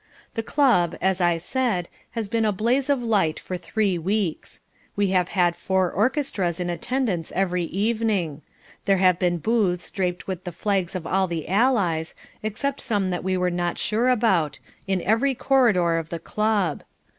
The club, as I said, has been a blaze of light for three weeks. We have had four orchestras in attendance every evening. There have been booths draped with the flags of all the Allies, except some that we were not sure about, in every corridor of the club.